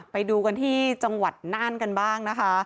ไปดูกันที่จังหวัดน่านกันบ้างนะคะ